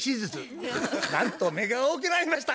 なんと目が大きくなりました。